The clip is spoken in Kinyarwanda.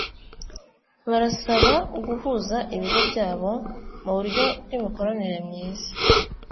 Barasaba guhuza ibigo byabo muburyo bw’imikoranire myiza.